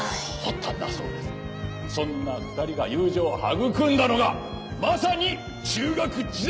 そんな２人が友情を育んだのがまさに中学時代！